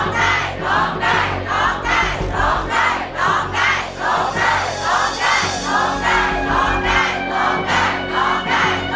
ร้องได้ร้องได้ร้องได้ร้องได้ร้องได้